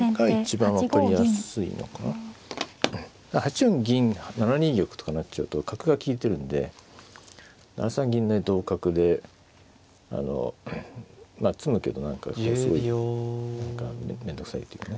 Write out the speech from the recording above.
四銀７二玉とかなっちゃうと角が利いてるんで７三銀成同角でまあ詰むけど何かすごい面倒くさいけどね。